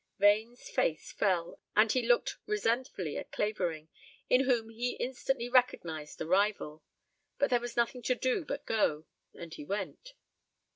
Vane's face fell and he looked resentfully at Clavering, in whom he instantly recognized a rival. But there was nothing to do but go and he went.